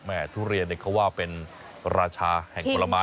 ทุเรียนเขาว่าเป็นราชาแห่งผลไม้